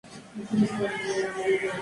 Happy Birthday, Mr.